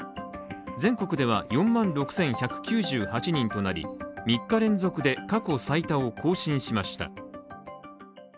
全国では４万６１９８人となり、３日連続で過去最多を更新しました。